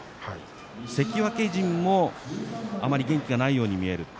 関脇陣もあまり元気がないように見える。